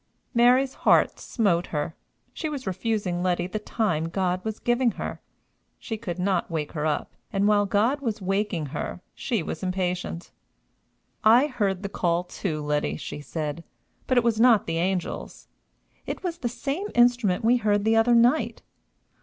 Mary's heart smote her; she was refusing Letty the time God was giving her! She could not wake her up, and, while God was waking her, she was impatient! "I heard the call, too, Letty," she said; "but it was not the angels. It was the same instrument we heard the other night.